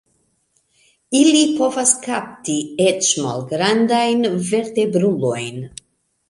Ili povas kapti eĉ malgrandajn vertebrulojn.